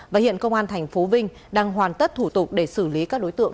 và hiện công an tp vinh đang hoàn tất thủ tục để xử lý các đối tượng